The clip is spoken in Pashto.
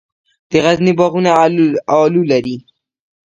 د غزني باغونه الو لري.